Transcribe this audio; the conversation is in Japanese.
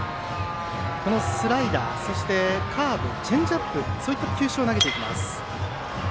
スライダー、カーブチェンジアップそういった球種を投げてきます。